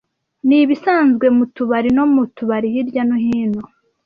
Ni ibisanzwe mu tubari no mu tubari hirya no hino.